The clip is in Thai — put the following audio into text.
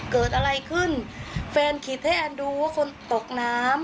เกิดอะไรขึ้นแฟนคิดให้แอนดูว่าคนตกน้ำ